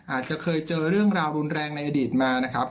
อาจจะเคยเจอเรื่องราวรุนแรงในอดีตมานะครับ